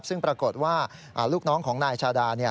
ซึ่งปรากฏว่าลูกน้องของนายชาดา